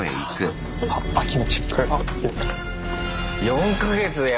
４か月よ。